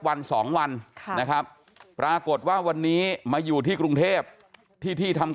วันสองวันนะครับปรากฏว่าวันนี้มาอยู่ที่กรุงเทพที่ที่ทำ